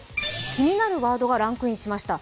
気になるワードがランクインしました。